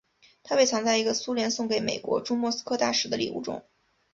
它被藏在一个苏联送给美国驻莫斯科大使的礼物中。